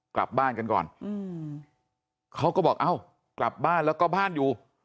กลับบ้านกันก่อนอืมเขาก็บอกเอ้ากลับบ้านแล้วก็บ้านอยู่